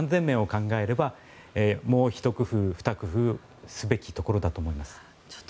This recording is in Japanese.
これは恐らく安全面を考えればもうひと工夫、ふた工夫すべきところだと思います。